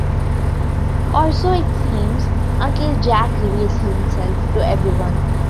Or so it seems...until Jack reveals himself to everyone.